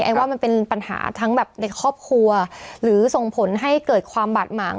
ว่ามันเป็นปัญหาทั้งแบบในครอบครัวหรือส่งผลให้เกิดความบาดหมาง